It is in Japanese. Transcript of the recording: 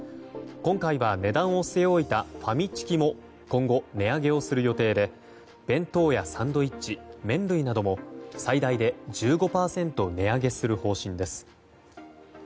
今回は値段を据え置いたファミチキも今後、値上げをする予定で弁当やサンドイッチ麺類なども最大で１５％値上げする方針です。